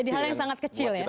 jadi hal yang sangat kecil ya